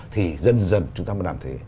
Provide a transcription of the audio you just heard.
thì dần dần chúng tôi mới làm thế